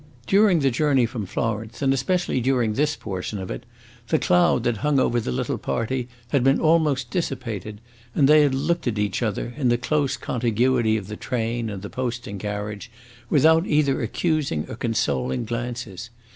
During the journey from Florence, and especially during this portion of it, the cloud that hung over the little party had been almost dissipated, and they had looked at each other, in the close contiguity of the train and the posting carriage, without either accusing or consoling glances.